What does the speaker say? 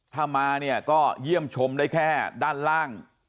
ถ้ามาเนี่ยก็เยี่ยมชมได้แค่ด้านล่าง